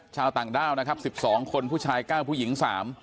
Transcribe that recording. ชาวต่างด้าวนะครับ๑๒คนผู้ชาย๙ผู้หญิง๓